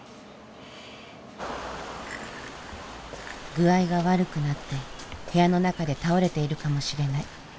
具合が悪くなって部屋の中で倒れているかもしれない。